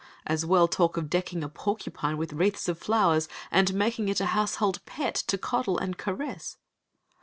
As well talk of decking a porcupine with wreaths of flowers, and making it a household pet, to coddle and caress.